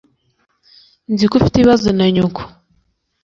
Nzi ko ufite ibibazo na nyoko.